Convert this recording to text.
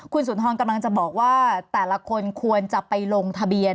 คุณสุนทรกำลังจะบอกว่าแต่ละคนควรจะไปลงทะเบียน